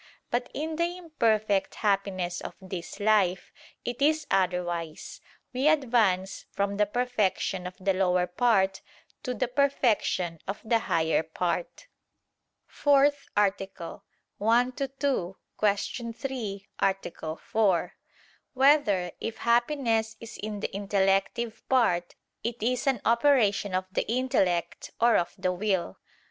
But in the imperfect happiness of this life, it is otherwise; we advance from the perfection of the lower part to the perfection of the higher part. ________________________ FOURTH ARTICLE [I II, Q. 3, Art. 4] Whether, If Happiness Is in the Intellective Part, It Is an Operation of the Intellect or of the Will?